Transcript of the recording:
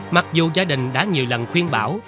mặc dù gia đình đã nhiều lần khuyên bảo